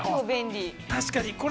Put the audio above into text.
◆確かに。